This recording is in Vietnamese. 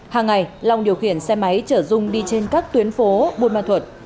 hàng ngày long điều khiển xe máy chở dung đi trên các tuyến phố bồn loan thuật